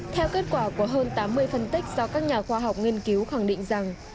theo kết quả của hơn tám mươi phân tích do các nhà khoa học nghiên cứu khẳng định rằng